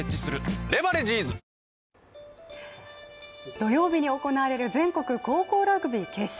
土曜日に行われる全国高校ラグビー決勝。